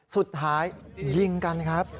สุดท้ายยิงกันครับ